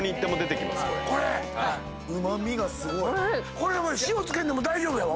これ塩付けんでも大丈夫やわ。